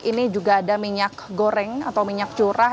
ini juga ada minyak goreng atau minyak curah